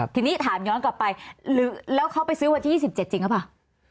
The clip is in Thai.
ทีนี้ถามย้อนกลับไปแล้วเขาไปซื้อวันที่๒๗จริงหรือเปล่า